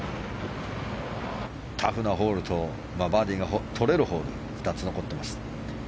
タフなホールとバーディーがとれるホール２つ残っています。